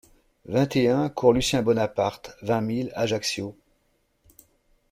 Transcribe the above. vingt et un cours Lucien Bonaparte, vingt mille Ajaccio